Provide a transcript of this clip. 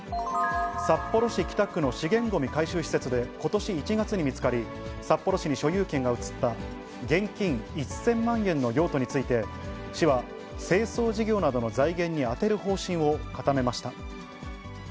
札幌市北区の資源ごみ回収施設で、ことし１月に見つかり、札幌市に所有権が移った現金１０００万円の用途について、市は清掃事業などの財源に充てる方針を固めました。